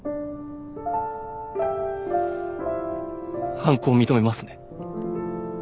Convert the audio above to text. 犯行を認めますね？